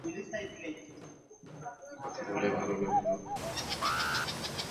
উপত্যকায়, নদীর তীরগুলি জলের কিনারায় সুন্দরভাবে সাজানো হয়েছে।